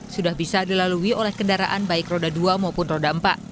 sudah bisa dilalui oleh kendaraan baik roda dua maupun roda empat